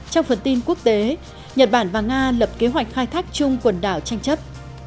trong phần tin quốc tế nhật bản và nga lập kế hoạch khai thác chung quần đảo tranh chấp